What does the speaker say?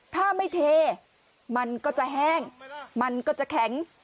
ถ้าไม่เทมันก็จะแห้งมันก็จะแข็ง